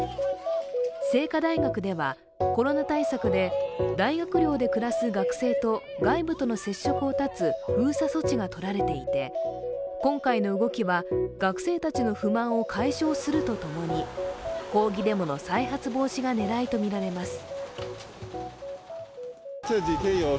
清華大学では、コロナ対策で大学寮で暮らす学生と外部との接触をたつ封鎖措置がとられていて、今回の動きは学生たちの不満を解消するとともに抗議デモの再発防止が狙いとみられます。